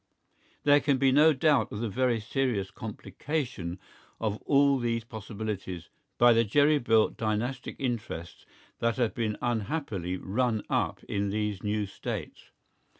There can be no doubt of the very serious complication of all these possibilities by the jerry built dynastic interests that have been unhappily run up in these new States.